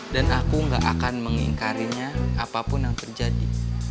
dan aku gak akan mengingkarinya apapun yang terjadi